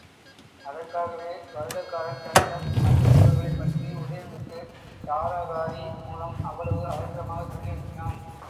அதற்காகவே வருடகாரன் தன்னிடம் வந்திருப்பவர்களைப் பற்றி உதயணனுக்குத் தாரகாரி மூலம் அவ்வளவு அவசரமாகச் சொல்லி அனுப்பினான்.